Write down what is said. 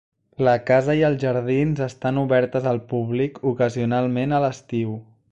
La casa i els jardins estan obertes al públic ocasionalment a l'estiu.